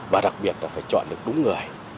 và đặc biệt là phải chọn được đúng người